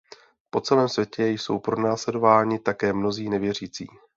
Po celém světě jsou pronásledováni také mnozí nevěřící.